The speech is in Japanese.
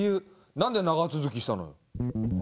何で長続きしたのよ？